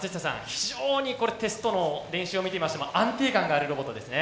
非常にこれテストの練習を見ていましても安定感があるロボットですね。